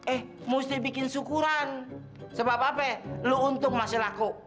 eh mesti bikin syukuran sebab apa apa lo untung masih laku